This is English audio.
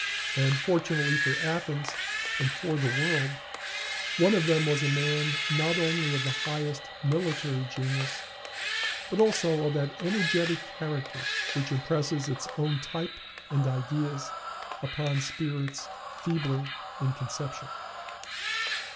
And, fortunately for Athens and for the world, one of them was a man, not only of the highest military genius, but also of that energetic character which impresses its own type and ideas upon spirits feebler in conception.